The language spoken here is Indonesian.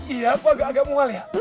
iya aku agak agak mual ya